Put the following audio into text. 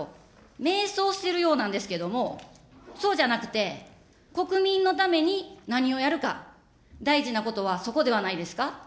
迷走してるようなんですけれども、そうじゃなくて、国民のために何をやるか、大事なことはそこではないですか。